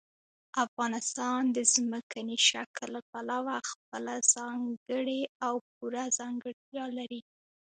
افغانستان د ځمکني شکل له پلوه خپله ځانګړې او پوره ځانګړتیا لري.